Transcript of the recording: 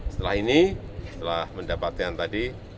setelah ini setelah mendapatkan tadi